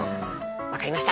分かりました。